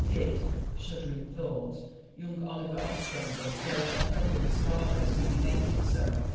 Did shuddering thought young Oliver Ostrander slay that friend of his father's whom he hated so?